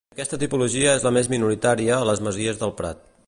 Aquesta tipologia és la més minoritària a les masies del Prat.